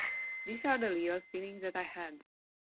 These are the real feelings that I had.